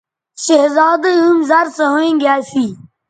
شہزادی ھم زر سو ھوینگے اسی